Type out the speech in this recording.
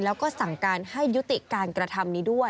แล้วก็สั่งการให้ยุติการกระทำนี้ด้วย